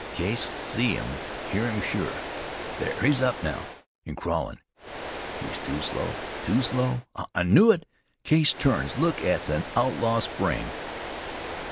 Case'll see him or hear him sure. Thar, he's up now, an' crawlin'. He's too slow, too slow. Aha! I knew it Case turns. Look at the outlaw spring!